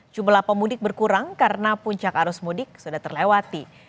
jumlah pemudik berkurang karena puncak arus mudik sudah terlewati